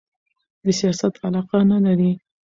د سیاست علاقه نه لري